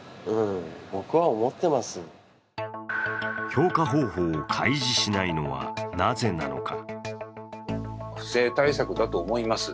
評価方法を開示しないのはなぜなのか。